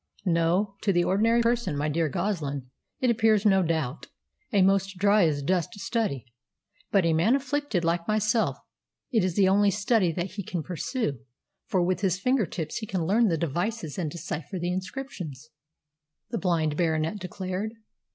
"No. To the ordinary person, my dear Goslin, it appears no doubt, a most dryasdust study, but to a man afflicted like myself it is the only study that he can pursue, for with his finger tips he can learn the devices and decipher the inscriptions," the blind Baronet declared.